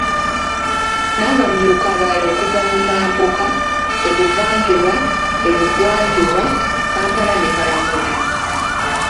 N’abamyuka abalala okuva mu Mambuka, e Buvanjuba, e Bugwanjuba, Kampala ne Karamoja.